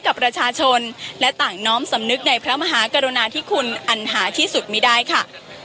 กับประชาชนและต่างน้อมสำนึกในพระมหากรุณาที่คุณอันหาที่สุดไม่ได้ค่ะ